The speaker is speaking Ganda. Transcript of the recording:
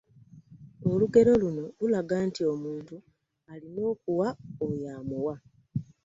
Olugero luno lulaga nti omuntu alina okuwa oyo amuwa.